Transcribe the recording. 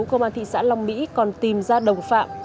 công an thị xã long mỹ còn tìm ra đồng phạm